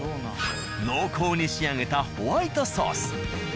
濃厚に仕上げたホワイトソース。